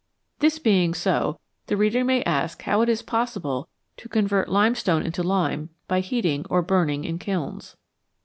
This being so, the reader may ask how it is possible to convert limestone into lime by heating or "burning" in kilns.